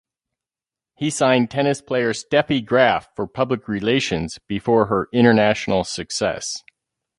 He signed tennis player Steffi Graf for public relations before her international success.